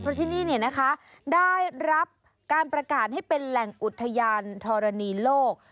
เพราะที่นี่ได้รับการประกาศให้เป็นแหล่งอุทยานธรณีโลก